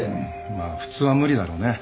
まあ普通は無理だろうね。